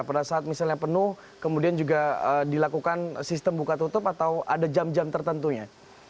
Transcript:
pada saat misalnya penuh kemudian juga dilakukan sistem buka tutup atau ada jam jam tertentunya